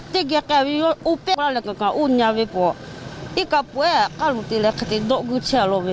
ชิตติกะก็หม่อแหวนก็คงน่าจะเจอ